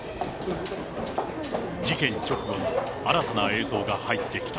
事件直後の新たな映像が入ってきた。